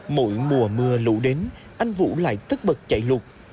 mỗi mùa mưa lũ đến anh vũ lại tất bật chạy lụt